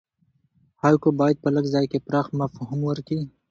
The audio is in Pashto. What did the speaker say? هایکو باید په لږ ځای کښي پراخ مفهوم ورکي.